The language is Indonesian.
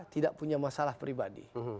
tidak punya masalah pribadi